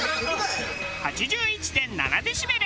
８１．７デシベル。